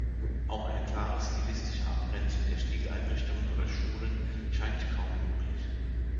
Auch eine klare stilistische Abgrenzung der Stilrichtungen oder „Schulen“ scheint kaum möglich.